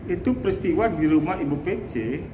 itu peristiwa di rumah ibu pc